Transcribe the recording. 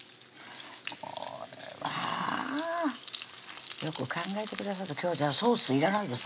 これはよく考えてくださった今日はじゃあソースいらないですね